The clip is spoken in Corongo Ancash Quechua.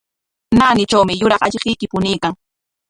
Naanitrawmi yuraq allquyki puñuykan.